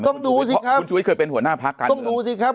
ต้องดูสิครับ